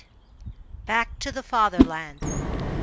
BACK TO THE FATHERLAND.